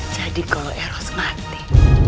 jadi kalau eros mati